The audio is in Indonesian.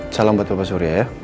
salam buat papa surya ya